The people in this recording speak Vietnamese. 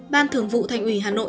ban thường vụ thành ủy hà nội